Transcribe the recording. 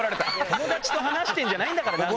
友達と話してんじゃないんだからな！